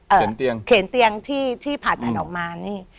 เข็นเตียงเข็นเตียงที่ผ่าตัดออกมานี่